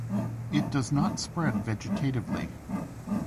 It does not spread vegetatively.